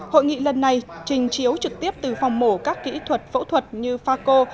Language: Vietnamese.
hội nghị lần này trình chiếu trực tiếp từ phòng mổ các kỹ thuật phẫu thuật như pha cô